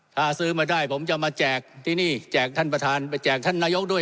ถ้าซื้อมาได้ผมจะมาแจกที่นี่แจกท่านประธานไปแจกท่านนายกด้วย